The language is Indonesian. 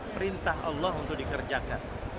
perintah allah untuk dikerjakan